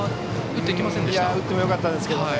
打ってもよかったんですけどね。